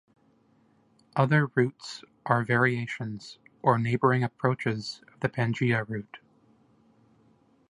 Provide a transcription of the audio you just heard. Other routes are variations or neighboring approaches of the Pangea route.